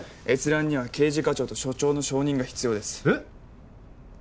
閲覧には刑事課長と署長の承認が必要ですえっ！？